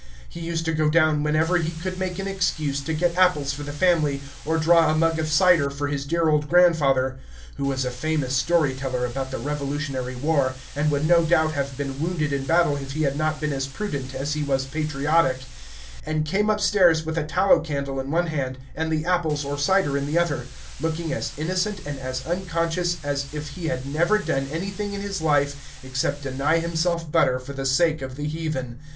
He used to go down whenever he could make an excuse, to get apples for the family, or draw a mug of cider for his dear old grandfather (who was a famous story teller about the Revolutionary War, and would no doubt have been wounded in battle if he had not been as prudent as he was patriotic), and come upstairs with a tallow candle in one hand and the apples or cider in the other, looking as innocent and as unconscious as if he had never done anything in his life except deny himself butter for the sake of the heathen.